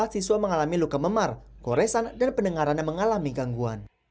empat siswa mengalami luka memar koresan dan pendengarannya mengalami gangguan